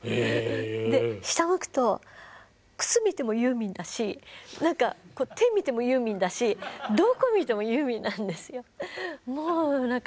下向くと靴見てもユーミンだし手見てもユーミンだしどこ見てもユーミンなんですよ。